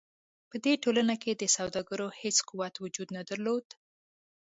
په دې ټولنو کې د سوداګرو هېڅ قوت وجود نه درلود.